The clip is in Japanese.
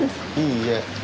いいえ。